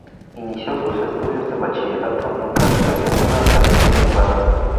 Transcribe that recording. Inició sus estudios de bachillerato en Caspe, en una academia privada.